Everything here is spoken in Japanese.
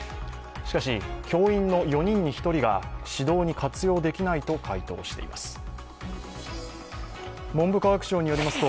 しかし、教員の４人に１人が指導に活用できないと回答しています。